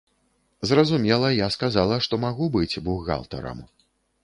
Зразумела, я сказала, што магу быць бухгалтарам.